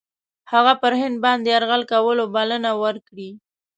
هغه پر هند باندي یرغل کولو بلنه ورکړې.